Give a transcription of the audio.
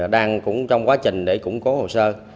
đang trong quá trình để củng cố hồ sơ